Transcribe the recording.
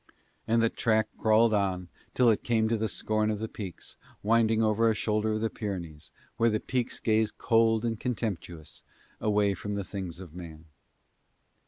And the track crawled on till it came to the scorn of the peaks, winding over a shoulder of the Pyrenees, where the peaks gaze cold and contemptuous away from the things of man.